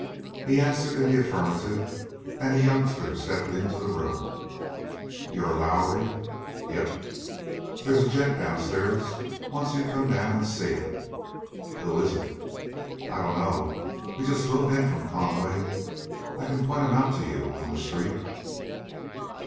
He answered in the affirmative, and a youngster stepped into the room. "You're Lowrie?" "Yep." "They's a gent downstairs wants you to come down and see him." "Who is it?" "I dunno. We just moved in from Conway. I can point him out to you on the street."